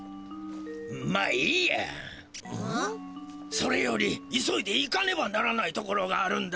それより急いで行かねばならないところがあるんだ。